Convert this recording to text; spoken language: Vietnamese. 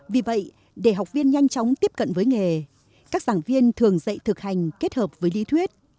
vì vậy để học viên nhanh chóng tiếp cận với nghề các giảng viên thường dạy thực hành kết hợp với lý thuyết